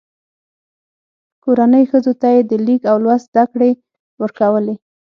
کورنۍ ښځو ته یې د لیک او لوست زده کړې ورکولې.